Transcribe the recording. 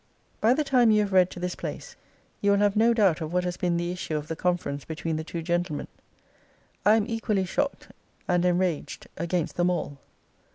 By the time you have read to this place, you will have no doubt of what has been the issue of the conference between the two gentlemen. I am equally shocked, and enraged against them all.